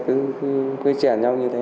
hai xe đấy cứ chèn nhau như thế